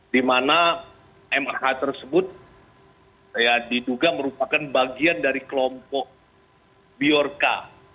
dimana mah tersebut saya diduga merupakan bagian dari kelompok biorka